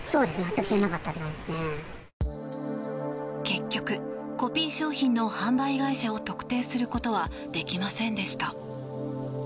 結局、コピー商品の販売会社を特定することはできませんでした。